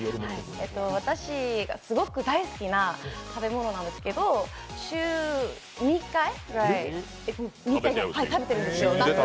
私がすごく大好きな食べ物なんですけど週２回ぐらい食べてるんですよ。